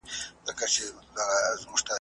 زه به سبا موسيقي اورم وم.